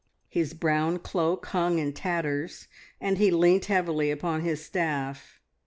His brown cloak hung in tatters, and he leant heavily upon his staff.